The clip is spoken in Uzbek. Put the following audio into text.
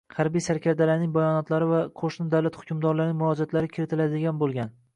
harbiy sarkardalarning bayonotlari va qo‘shni davlat hukmdorlarining murojaatlari kiritiladigan bo‘lgan.